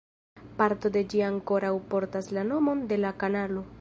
Parto de ĝi ankoraŭ portas la nomon de la kanalo.